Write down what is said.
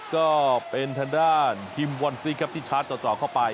ก็เป็นทางด้านทีมวอนซิกครับที่ชาร์จต่อเข้าไป